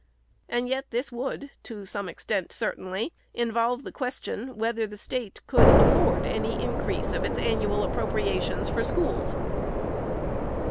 and yet this would, to some extent certainly, involve the question whether the State could afford any increase of its annual appropriations for schools.